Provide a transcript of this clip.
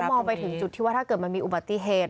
มองไปถึงจุดที่ว่าถ้าเกิดมันมีอุบัติเหตุ